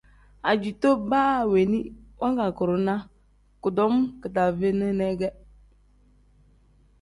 Ajito baa weeni wangaguurinaa kudom kidaave ne ge.